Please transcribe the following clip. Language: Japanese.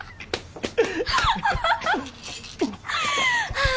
ああ